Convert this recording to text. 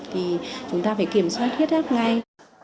thì chúng ta phải kiểm soát huyết áp ngay